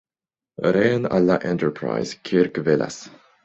Reen al la Enterprise, Kirk vekas.